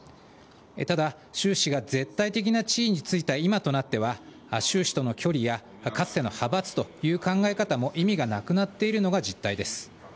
ただ、習氏が絶対的な地位に就いた今となっては習氏との距離やかつての派閥という考え方も意味がなくなっているのが実態です。